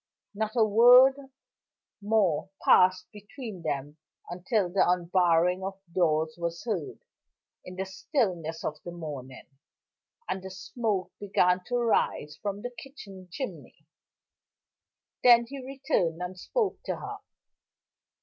Not a word more passed between them until the unbarring of doors was heard in the stillness of the morning, and the smoke began to rise from the kitchen chimney. Then he returned, and spoke to her.